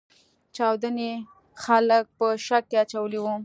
چاودنې خلګ په شک کې اچولي وو.